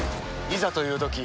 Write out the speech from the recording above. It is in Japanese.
いざというとき